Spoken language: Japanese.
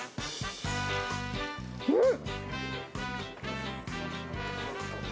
うん！